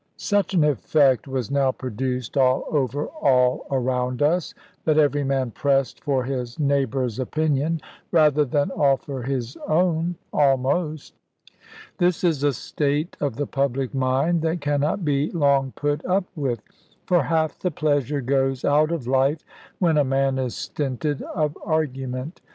Such an effect was now produced all over all around us, that every man pressed for his neighbour's opinion, rather than offer his own, almost. This is a state of the public mind that cannot be long put up with; for half the pleasure goes out of life when a man is stinted of argument.